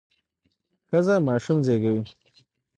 ښځه ماشوم زیږوي.